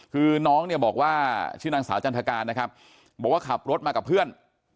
คือน้องเนี่ยบอกว่าชื่อนางสาวจันทการนะครับบอกว่าขับรถมากับเพื่อน